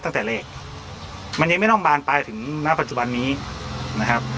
ตั้งแต่แรกมันยังไม่ต้องบานปลายถึงณปัจจุบันนี้นะครับ